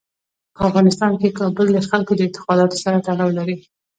په افغانستان کې کابل د خلکو د اعتقاداتو سره تړاو لري.